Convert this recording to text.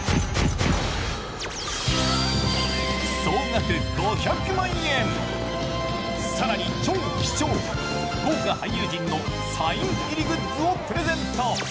総額５００万円、更に超貴重、豪華俳優陣のサイン入りグッズをプレゼント。